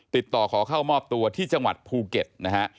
ติดต่อขอเข้ามอบตัวที่จังหวัดภูเก็ตนะฮะ